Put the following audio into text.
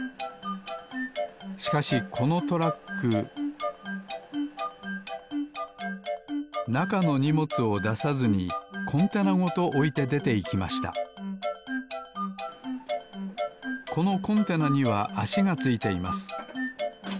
しかしこのトラックなかのにもつをださずにコンテナごとおいてでていきましたこのコンテナにはあしがついています。